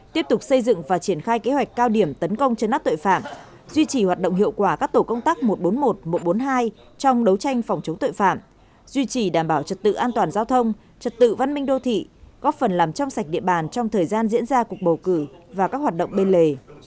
tiếp tục xây dựng và triển khai kế hoạch cao điểm tấn công chấn áp tội phạm duy trì hoạt động hiệu quả các tổ công tác một trăm bốn mươi một một trăm bốn mươi hai trong đấu tranh phòng chống tội phạm duy trì đảm bảo trật tự an toàn giao thông trật tự văn minh đô thị góp phần làm trong sạch địa bàn trong thời gian diễn ra cuộc bầu cử và các hoạt động bên lề